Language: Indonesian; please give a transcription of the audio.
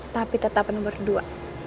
tapi tetap nomor dua